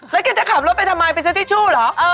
แล้วแกจะขับรถไปทำไมไปใส่ติชูเหรอเออ